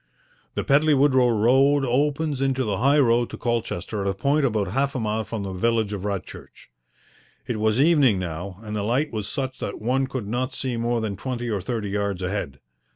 The Pedley Woodrow Road opens into the high road to Colchester at a point about half a mile from the village of Radchurch. It was evening now and the light was such that one could not see more than twenty or thirty yards ahead.